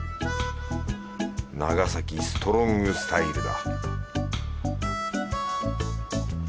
長崎ストロングスタイルだ